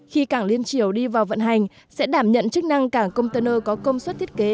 khi cảng liên triều đi vào vận hành sẽ đảm nhận chức năng cảng container có công suất thiết kế